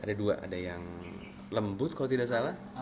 ada dua ada yang lembut kalau tidak salah